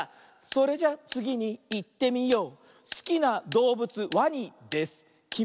「それじゃつぎにいってみよう」